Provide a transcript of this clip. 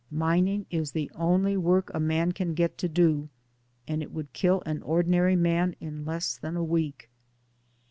"Mining is the only work a man can get to do, and it would kill an ordinary man in less than a week."